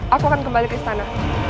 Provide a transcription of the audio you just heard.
aku akan kembali ke istana